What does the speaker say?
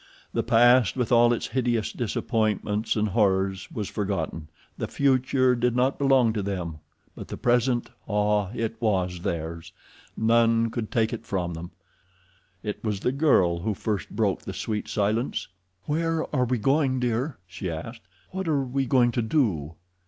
The past, with all its hideous disappointments and horrors, was forgotten—the future did not belong to them; but the present—ah, it was theirs; none could take it from them. It was the girl who first broke the sweet silence. "Where are we going, dear?" she asked. "What are we going to do?"